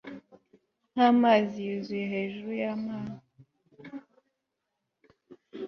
Nkamazi yuzuye hejuru yamazi